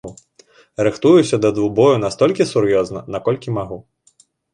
Рыхтуюся да двубою настолькі сур'ёзна, наколькі магу.